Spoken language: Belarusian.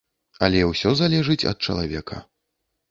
Але ўсё залежыць ад чалавека.